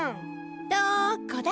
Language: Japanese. どこだ？